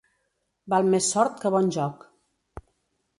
Val més sort que bon joc.